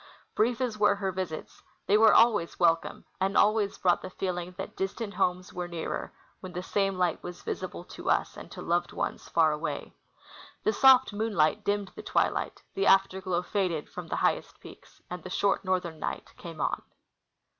Brief as were her visits, they Avere always welcome and always Ijrought the feeling that distant homes were nearer when the same light was visible to us and to loved ones far away. The soft moonlight dimmed the twilight, the after glow faded from the highest j)eaks, and the short northern night came on.